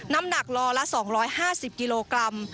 น้ำหนักลอละ๒๕๐กิโลกรัม